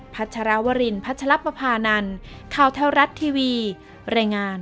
พัชรวรินพัชรัพพานันข่าวเท่ารัดทีวีแรงงาน